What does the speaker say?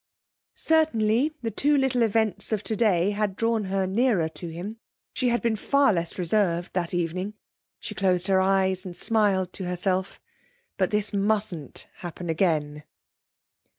Certainly the two little events of today had drawn her nearer to him. She had been far less reserved that evening. She closed her eyes and smiled to herself. But this mustn't happen again.